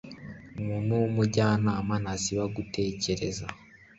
umuntu w'umujyanama ntasiba gutekereza